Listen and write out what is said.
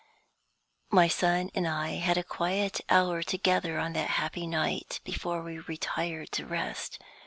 My son and I had a quiet hour together on that happy night before we retired to rest.